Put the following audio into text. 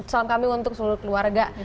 salam kami untuk seluruh keluarga